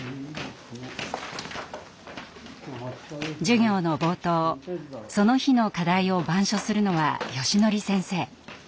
授業の冒頭その日の課題を板書するのはよしのり先生。